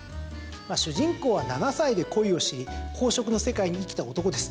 まあ、主人公は７歳で恋を知り好色の世界に生きた男です。